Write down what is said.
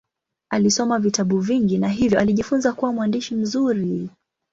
Alisoma vitabu vingi na hivyo alijifunza kuwa mwandishi mzuri.